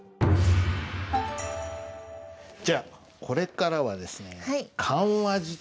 じゃあこれからはですね漢和辞典。